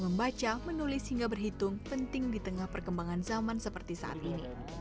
membaca menulis hingga berhitung penting di tengah perkembangan zaman seperti saat ini